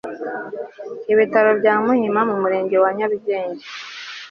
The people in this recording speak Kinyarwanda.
ibitaro byamuhima mumurenge wa nyarugenge